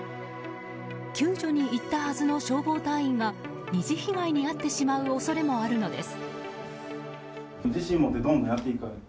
救助に行ったはずの消防隊員が２次被害に遭ってしまう恐れもあるのです。